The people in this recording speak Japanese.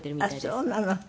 ああそうなの。